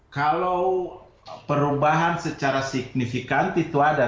kalau perubahan secara signifikan itu ada